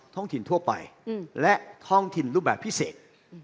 ห้องถิ่นทั่วไปและท้องถิ่นรูปแบบพิเศษ